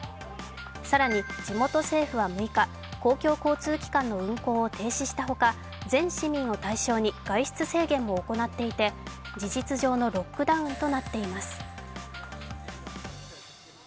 更に地元政府は６日、公共交通機関の運行を停止したほか全市民を対象に外出制限を行っていて事実上のロックダウンとなっています。